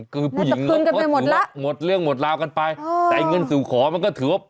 คือผู้หญิงเงินหมดแล้วหมดเรื่องหมดราวกันไปแต่เงินสู่ขอมันก็ถือว่า